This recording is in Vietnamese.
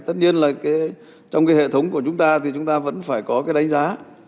tất nhiên là trong cái hệ thống của chúng ta thì chúng ta vẫn phải có cái đánh giá